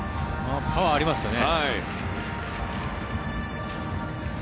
パワーがありますよね。